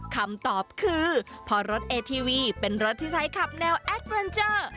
คำตอบคือพอรถเอทีวีเป็นรถที่ใช้ขับแนวแอดเวรเจอร์